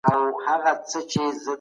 تخنیکي پرمختګ د تولید کچه لوړه ساتي.